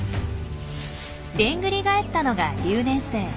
でんぐり返ったのが留年生。